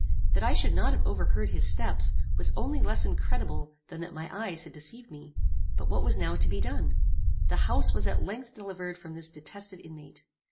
That I should not have overheard his steps, was only less incredible than that my eyes had deceived me. But what was now to be done? The house was at length delivered from this detested inmate.